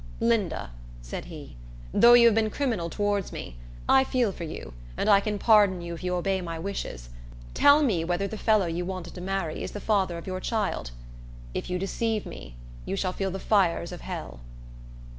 "Linda," said he, "though you have been criminal towards me, I feel for you, and I can pardon you if you obey my wishes. Tell me whether the fellow you wanted to marry is the father of your child. If you deceive me, you shall feel the fires of hell."